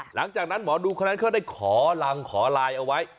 หลังจากนั้นหมอดูคนนั้นเขาได้ขอรังขอไลน์เอาไว้